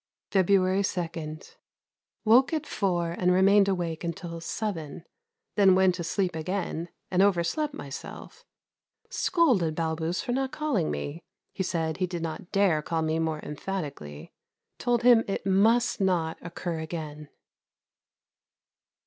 February 2. Woke at four and remained awake until seven, then went asleep again, and overslept myself. Scolded Balbus for not calling me. He said he did not dare call me more emphatically. Told him it must not occur again.